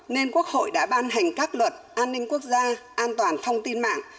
nên quốc hội đã ban hành các luật an ninh quốc gia an toàn thông tin mạng